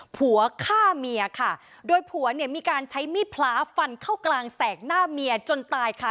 ผัวฆ่าเมียค่ะโดยผัวเนี่ยมีการใช้มีดพล้าฟันเข้ากลางแสกหน้าเมียจนตายค่ะ